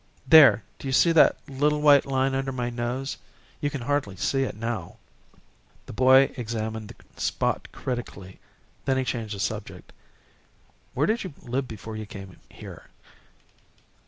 "There, do you see that little white line under my nose? You can hardly see it now." The boy examined the spot critically. Then he changed the subject. "Where did you live before you came here?"